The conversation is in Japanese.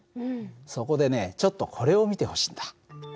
そこでねちょっとこれを見てほしいんだ。